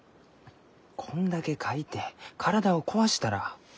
こんだけ描いて体を壊したら。